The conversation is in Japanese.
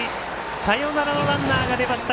サヨナラのランナーが出ました！